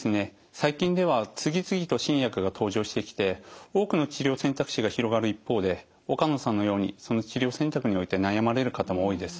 最近では次々と新薬が登場してきて多くの治療選択肢が広がる一方で岡野さんのようにその治療選択において悩まれる方も多いです。